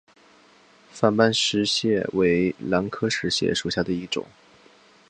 反瓣石斛为兰科石斛属下的一个种。